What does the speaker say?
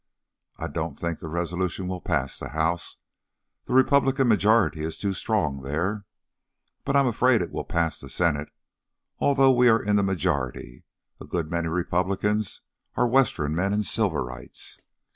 I don't think the resolution will pass the House, the Republican majority is too strong there, but I am afraid it will pass the Senate; although we are in the majority, a good many Republicans are Western men and Silverites.